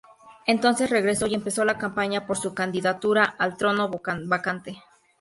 Entonces regresó y empezó la campaña por su candidatura al trono vacante.